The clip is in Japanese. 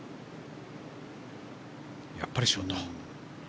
やっぱりショート。